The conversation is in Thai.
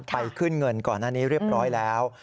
ไปขึ้นเงินก่อนหน้านี้เรียบร้อยแล้ว